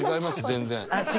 全然。